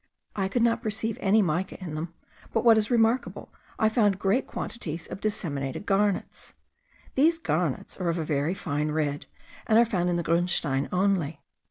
I could not perceive any mica in them; but, what is very remarkable, I found great quantities of disseminated garnets. These garnets are of a very fine red, and are found in the grunstein only.